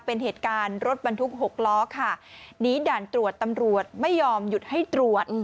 เป็นเหตุการณ์รถบรรทุก๖ล้อค่ะหนีด่านตรวจตำรวจไม่ยอมหยุดให้ตรวจ